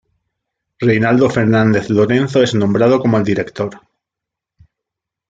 Reynaldo Fernández Lorenzo es nombrado como el Director.